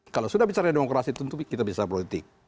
kalau sudah bicara demokrasi tentu kita bisa politik